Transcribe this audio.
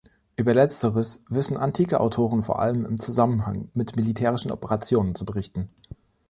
Über letzteres wissen antike Autoren vor allem im Zusammenhang mit militärischen Operationen zu berichten.